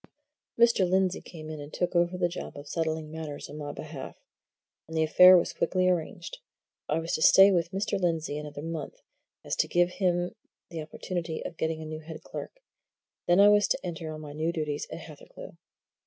Mr. Lindsey came in and took over the job of settling matters on my behalf. And the affair was quickly arranged. I was to stay with Mr. Lindsey another month, so as to give him the opportunity of getting a new head clerk, then I was to enter on my new duties at Hathercleugh.